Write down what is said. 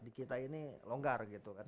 di kita ini longgar gitu kan